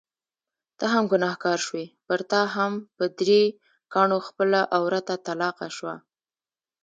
ته هم ګنهګار شوې، پرتا هم په درې کاڼو خپله عورته طلاقه شوه.